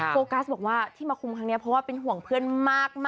โฟกัสบอกว่าที่มาคุมครั้งนี้เพราะว่าเป็นห่วงเพื่อนมาก